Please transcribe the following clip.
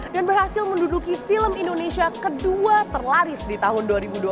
dan berhasil menduduki film indonesia kedua terlaris di tahun dua ribu dua puluh